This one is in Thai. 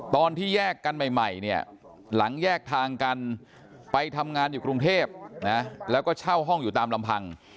ตอนที่แยกกันใหม่เนี่ยหลังแยกทางกันไปทำงานอยู่กรุงเทพนะแล้วก็เช่าห้องอยู่ตามลำพัง